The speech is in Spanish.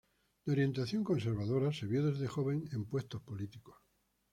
De orientación conservadora, se vio desde joven en puestos políticos.